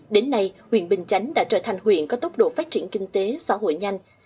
đến nay huyện bình chánh đã trở thành huyện có tốc độ phát triển kinh tế xã hội nhanh